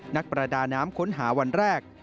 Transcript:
นักประดาน้ำค้นหาวันแรก